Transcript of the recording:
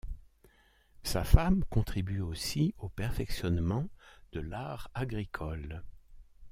Sa femme contribue aussi au perfectionnement de l’art agricole.